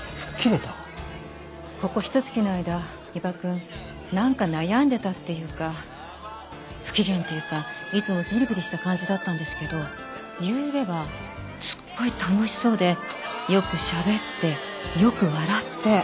ここひと月の間伊庭くんなんか悩んでたっていうか不機嫌っていうかいつもピリピリした感じだったんですけどゆうべはすごい楽しそうでよくしゃべってよく笑って。